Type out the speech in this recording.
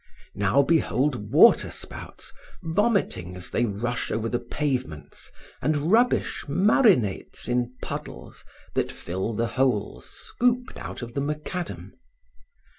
Now behold water spouts vomiting as they rush over the pavements, and rubbish marinates in puddles that fill the holes scooped out of the macadam.